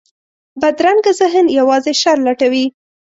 بدرنګه ذهن یوازې شر لټوي